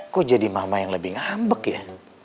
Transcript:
kok jadi mama yang lebih ngambek ya